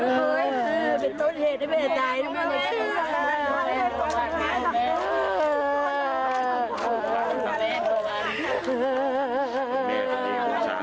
มันเป็นต้นเหตุให้แม่ตาย